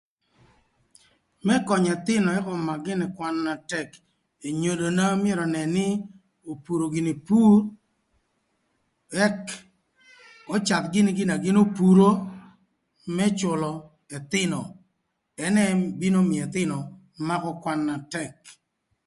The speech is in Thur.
Më könyö ëthïnö ëk ömak gïnï kwan na tëk, enyodona myero önën nï opuro gïnï pur ëk öcadh gïnï gin na gïn opuro më cülö ëthïnö ënë bino mïö ëthïnö makö kwan na tëk.